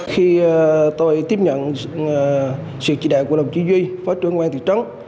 khi tôi tiếp nhận sự chỉ đại của đồng chí duy phó trưởng ngoan thị trấn